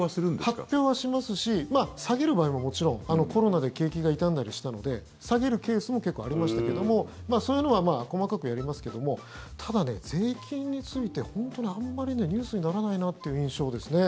発表はしますし下げる場合ももちろんコロナで景気が傷んだりしたので下げるケースも結構ありましたけどもそういうのは細かくやりますけどただ、税金について本当にあまりニュースにならないなという印象ですね。